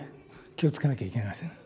気をつけなければいけません。